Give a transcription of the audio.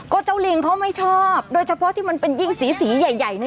ก็เจ้าลิงเขาไม่ชอบโดยเฉพาะที่มันเป็นยิ่งสีใหญ่